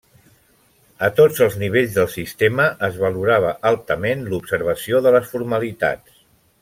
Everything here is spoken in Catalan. A tots els nivells del sistema es valorava altament l'observació de les formalitats.